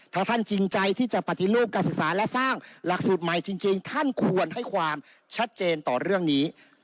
ถ้าท่านจริงใจที่จะปฏิรูปการศึกษาและสร้างหลักสูตรใหม่จริงท่านควรให้ความชัดเจนต่อเรื่องนี้